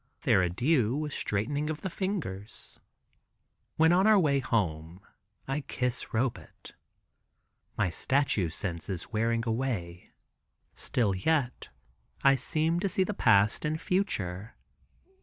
Their adieu was straightening of the fingers. When on our way home, I kiss Robet. My statue sense is wearing away. Still yet, I seem to see the past and future.